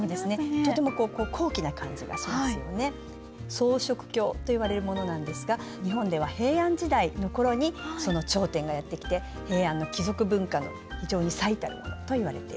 装飾経といわれるものなんですが日本では平安時代の頃にその頂点がやって来て平安の貴族文化の非常に最たるものといわれています。